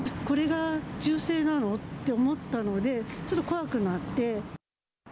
これが銃声なのって思ったので、ちょっと怖くなって。